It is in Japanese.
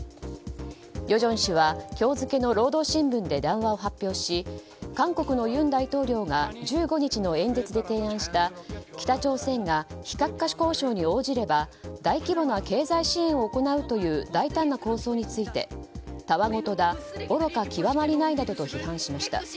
与正氏は今日付の労働新聞で談話を発表し韓国の尹大統領が１５日の演説で提案した北朝鮮が非核化交渉に応じれば大規模な経済支援を行うという大胆な構想についてたわごとだ愚か極まりないなどと批判しました。